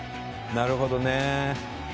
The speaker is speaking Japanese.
なるほどね。